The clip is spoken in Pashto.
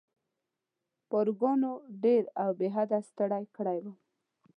پاروګانو ډېر او بې حده ستړی کړی وم.